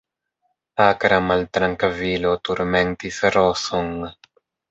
Akra maltrankvilo turmentis Roson.